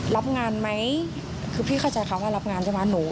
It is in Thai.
รับงานไหมคือพี่เข้าใจคำว่ารับงานใช่ไหม